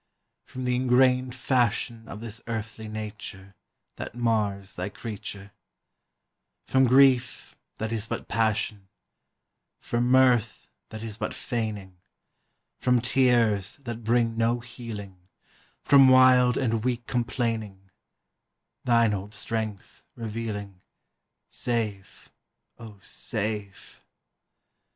From the ingrained fashion Of this earthly nature That mars thy creature; From grief, that is but passion; From mirth, that is but feigning; From tears, that bring no healing; From wild and weak complaining; Thine old strength revealing, Save, O, save!